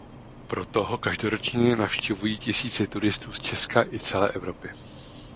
Proto ho každoročně navštěvují tisíce turistů z Česka i celé Evropy.